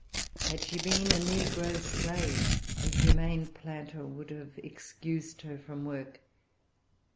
Had she been a negro slave, a humane planter would have excused her from work.